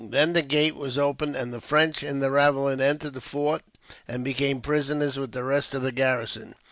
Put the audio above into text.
Then the gate was opened, and the French in the ravelin entered the fort, and became prisoners with the rest of the garrison.